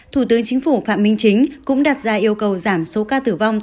thủ tướng chính phủ phạm minh chính cũng đặt ra yêu cầu giảm số ca tử vong